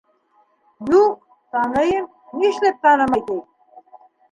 - Юҡ, таныйым, ни эшләп танымай ти?